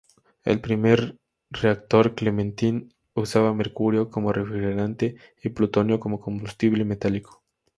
El primer reactor Clementine usaba mercurio como refrigerante y plutonio como combustible metálico.